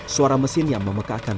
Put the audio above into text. suara mesin yang memekakan